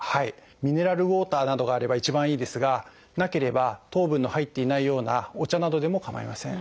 ミネラルウォーターなどがあれば一番いいですがなければ糖分の入っていないようなお茶などでもかまいません。